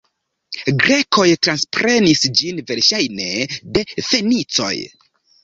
Grekoj transprenis ĝin verŝajne de fenicoj.